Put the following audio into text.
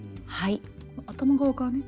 頭側からね。